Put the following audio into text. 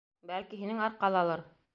Бәлки, һинең арҡалалыр?